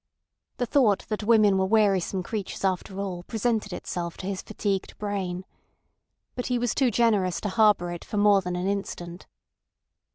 The thought that women were wearisome creatures after all presented itself to his fatigued brain. But he was too generous to harbour it for more than an instant.